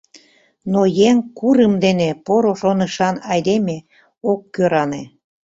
Но еҥ курым дене поро шонышан айдеме ок кӧране.